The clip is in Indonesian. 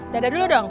dada dulu dong